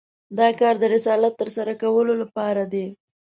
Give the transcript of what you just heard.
دا کار د رسالت تر سره کولو لپاره دی.